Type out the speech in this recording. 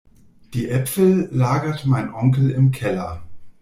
Die Äpfel lagert mein Onkel im Keller.